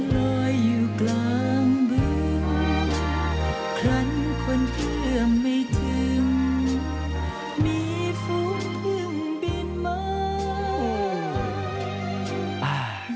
บัวน้อยลอยอยู่กลางบึงครั้นคนเพื่อไม่ถึงมีฟุ้งเพิ่งบินมา